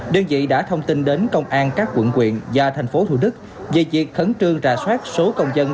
đơn vị đã thông tin đến công an các quận quyện và thành phố thủ đức về việc khẩn trương trà soát số công dân